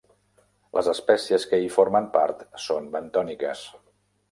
Les espècies que hi formen part són bentòniques.